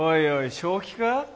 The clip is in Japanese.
正気か！？